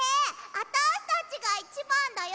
あたしたちがいちばんだよ！